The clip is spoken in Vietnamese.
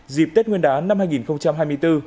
dịp tết nguyên đán năm hai nghìn hai mươi bốn